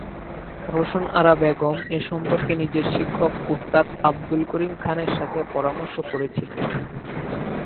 রোশন আরা বেগম এ সম্পর্কে নিজের শিক্ষক ওস্তাদ আবদুল করিম খানের সাথে পরামর্শ করেছিলেন।